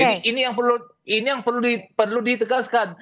jadi ini yang perlu ditegaskan